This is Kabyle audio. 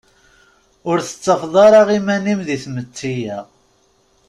Ur tettafeḍ ara iman-im di tmetti-a.